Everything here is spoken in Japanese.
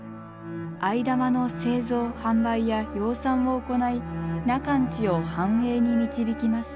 藍玉の製造販売や養蚕を行い中の家を繁栄に導きました。